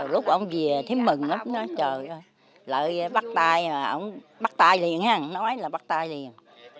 lúc ông về thím mừng lắm nói trời ơi lại bắt tay bắt tay liền ha nói là bắt tay liền